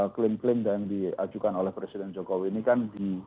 klaim klaim yang diajukan oleh presiden jokowi ini kan